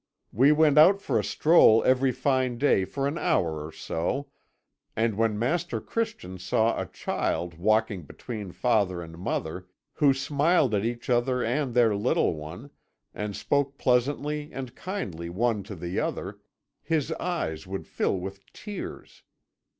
"We went out for a stroll every fine day for an hour or so, and when Master Christian saw a child walking between father and mother, who smiled at each other and their little one, and spoke pleasantly and kindly one to the other, his eyes would fill with tears.